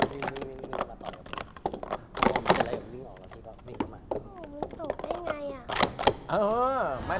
พูดอะไรกับใหม่